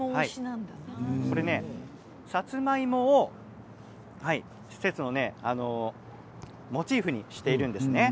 さつまいもを施設のモチーフにしているんですね。